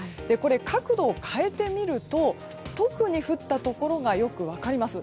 角度を変えてみると特に降ったところがよく分かります。